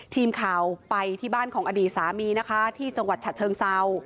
ทีมข่าวไปที่บ้านของอดีตสามีนะคะที่จังหวัดฉะเชิงเซา